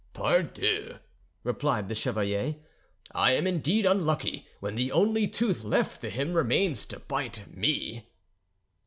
] "Pardieu!" replied the chevalier, "I am indeed unlucky when the only tooth left to him remains to bite me."